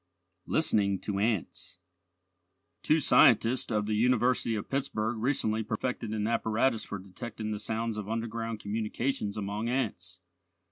LISTENING TO ANTS Two scientists of the University of Pittsburgh recently perfected an apparatus for detecting the sounds of underground communications among ants.